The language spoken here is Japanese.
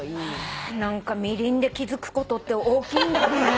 何かみりんで気付くことって大きいんだね。